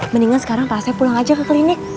mendingan sekarang pak sep pulang aja ke klinik